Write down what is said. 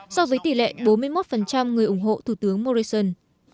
so với tỷ lệ bốn mươi một người ủng hộ thủ tướng morrison